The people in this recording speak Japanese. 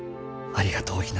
ありがとう。